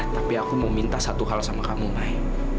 tapi aku mau minta satu hal sama kamu mai